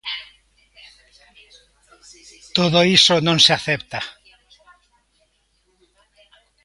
Todo iso non se acepta.